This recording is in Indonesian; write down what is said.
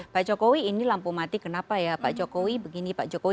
pak jokowi ini lampu mati kenapa ya pak jokowi begini pak jokowi